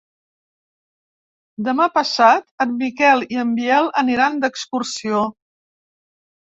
Demà passat en Miquel i en Biel aniran d'excursió.